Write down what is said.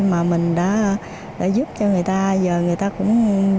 mà mình đã giúp cho người ta giờ người ta cũng